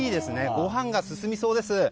ご飯が進みそうです。